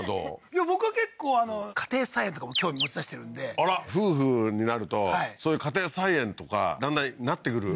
いや僕は結構家庭菜園とかも興味持ちだしてるんであら夫婦になるとそういう家庭菜園とかだんだんなってくる？